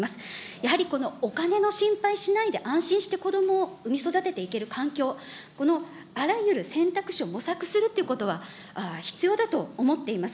やはりこのお金の心配しないで、安心して子どもを産み育てていける環境、このあらゆる選択肢を模索するっていうことは必要だと思っています。